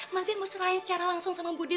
mazen mau serahin secara langsung sama budhe